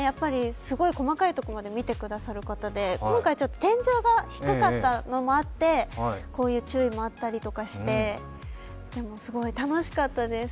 すごい細かいところまで見てくださる方で今回ちょっと天井が低かったのもあってこういう注意もあったりなんかして、すごい楽しかったです。